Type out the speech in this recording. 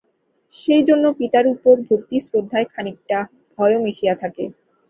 সেই জন্য পিতার উপর ভক্তিশ্রদ্ধায় খানিকটা ভয়ও মিশিয়া থাকে।